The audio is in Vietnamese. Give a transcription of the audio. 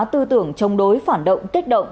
tư tưởng chống đối phản động kích động